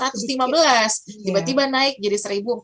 tiba tiba naik jadi seribu empat ratus lima puluh delapan